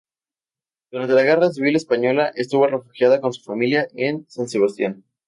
Durante la Guerra Civil Española estuvo refugiada, con su familia, en San Sebastián.